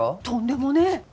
とんでもねえ。